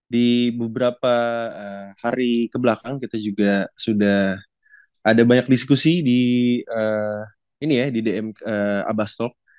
di beberapa hari kebelakang kita juga sudah ada banyak diskusi di dm abastok